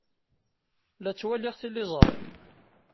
La ttwaliɣ tiliẓri.